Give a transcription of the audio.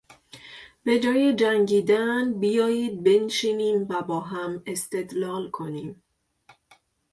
به جای جنگیدن بیایید بنشینیم و با هم استدلال کنیم.